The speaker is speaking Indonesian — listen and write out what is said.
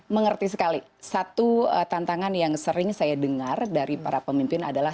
mengerti sekali satu tantangan yang sering saya dengar dari para pemimpin adalah